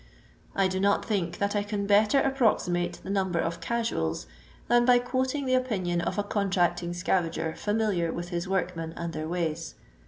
I do not think that I can better approximate the number of casuals than by quoting the opinion of a contracting scavager familiar with his work men and their ways.